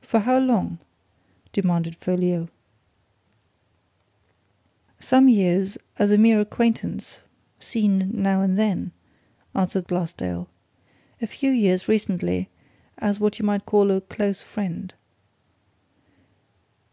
"For how long?" demanded Folliot. "Some years as a mere acquaintance, seen now and then," said Glassdale. "A few years, recently, as what you might call a close friend."